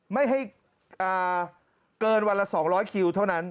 ไม่ให้เกินวันละ๒๐๐คิวเท่านั้น